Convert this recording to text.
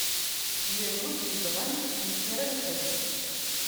Irwet udɣen, ifra lḥebb!